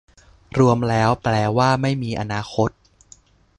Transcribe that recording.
รวมแล้วแปลว่า ไม่มีอนาคต